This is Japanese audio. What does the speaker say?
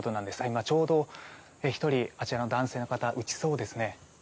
今ちょうど１人あちらの男性の方が打ちますね。